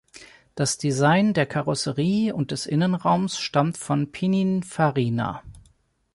Das Design der Karosserie und des Innenraums stammt von Pininfarina.